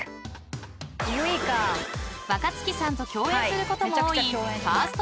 ［若槻さんと共演することも多い］